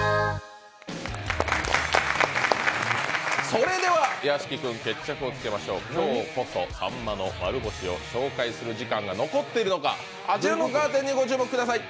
それでは屋敷君決着をつけましょう今日こそさんまの丸干しを紹介する時間が残っているのか、あちらのカーテンにご注目ください。